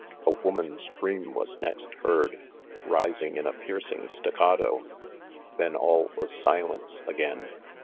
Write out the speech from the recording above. A woman's scream was next heard, rising in a piercing staccato. Then all was silence again.